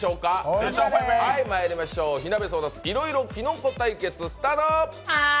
まいりましょう、火鍋争奪「いろいろキノコ」対決スタート！